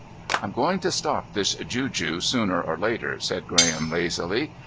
"I'm going to stop this juju sooner or later," said Graham lazily.